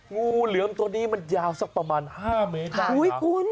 งูเหลือมตัวนี้มันยาวสักประมาณ๕เมตรนะ